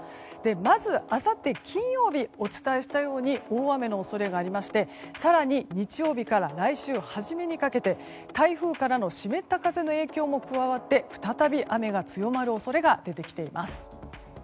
まずあさって金曜日お伝えしたように大雨の恐れがありまして更に日曜日から来週初めにかけて台風からの湿った風の影響も加わって再び雨が強まる恐れが出てきています。